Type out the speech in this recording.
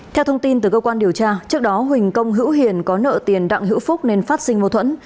theo thông tin từ cơ quan điều tra trước đó huỳnh công hữu hiền có nợ tiền đặng hữu phúc nên phát sinh mô thuẫn